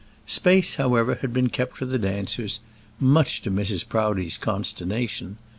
Space, however, had been kept for the dancers much to Mrs. Proudie's consternation.